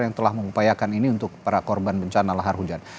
yang telah mengupayakan ini untuk para korban bencana lahar hujan